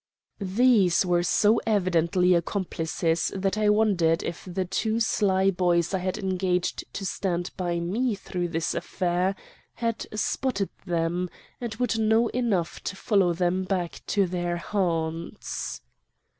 "These were so evidently accomplices that I wondered if the two sly boys I had engaged to stand by me through this affair had spotted them, and would know enough to follow them back to their haunts.